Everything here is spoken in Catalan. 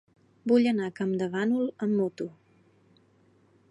Vull anar a Campdevànol amb moto.